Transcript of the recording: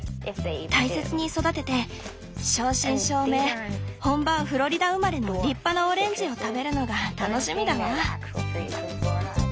大切に育てて正真正銘本場フロリダ生まれの立派なオレンジを食べるのが楽しみだわ。